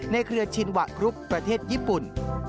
เครือชินวะครุกประเทศญี่ปุ่น